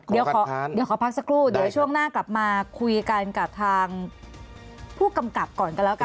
ได้เลยครับขอขัดท้านด้วยครับครับ